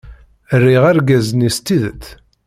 Riɣ argaz-nni s tidet.